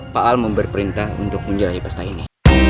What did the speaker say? pak al memberi perintah untuk menjelahi pesta ini